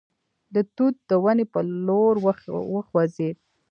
د توت د ونې په لور وخوځېد.